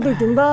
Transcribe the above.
từ chúng ta